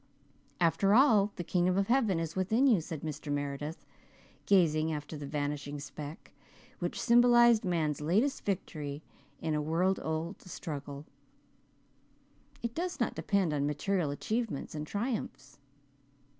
"After all, the 'kingdom of heaven is within you,'" said Mr. Meredith, gazing after the vanishing speck which symbolized man's latest victory in a world old struggle. "It does not depend on material achievements and triumphs."